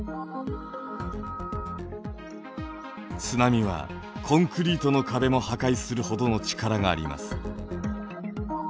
津波はコンクリートの壁も破壊するほどの力があります。